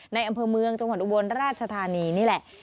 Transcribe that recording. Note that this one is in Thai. อำเภอเมืองจังหวัดอุบลราชธานีนี่แหละ